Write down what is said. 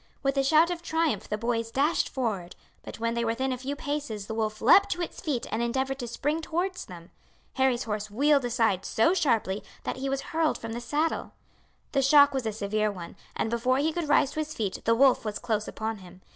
With a shout of triumph the boys dashed forward, but when they were within a few paces the wolf leapt to its feet and endeavoured to spring towards them. Harry's horse wheeled aside so sharply that he was hurled from the saddle. The shock was a severe one, and before he could rise to his feet the wolf was close upon him.